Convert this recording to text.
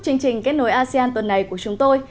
chương trình kết nối asean tuần này của chúng tôi